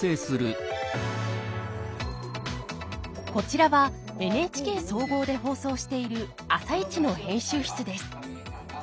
こちらはＮＨＫ総合で放送している「あさイチ」の編集室です。